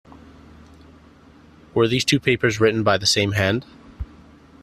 Were these two papers written by the same hand?